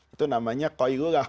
itu namanya koyulah